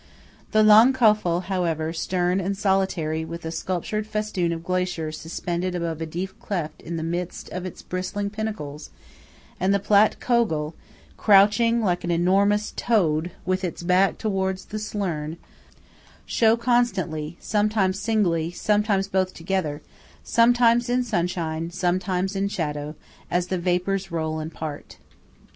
The Lang Kofel, however, stern and solitary, with a sculptured festoon of glacier suspended above a deep cleft in the midst of its bristling pinnacles; and the Platt Kogel, 30 crouching like an enormous toad, with its back towards the Schlern, show constantly, sometimes singly, sometimes both together, sometimes in sunshine, sometimes in shadow, as the vapours roll and part.